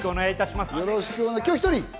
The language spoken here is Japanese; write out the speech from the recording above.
今日１人？